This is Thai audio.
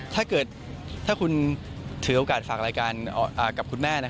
ถ้าเกิดถ้าคุณถือโอกาสฝากรายการกับคุณแม่